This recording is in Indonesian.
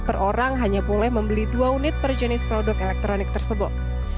per orang hanya boleh membeli dua unit per jenis produk elektronik tersebut